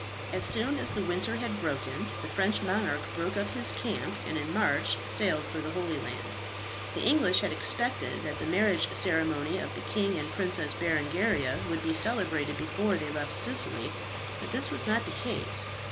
As soon as the winter had broken, the French monarch broke up his camp, and in March sailed for the Holy Land. The English had expected that the marriage ceremony of the king and Princess Berengaria would be celebrated before they left Sicily, but this was not the case.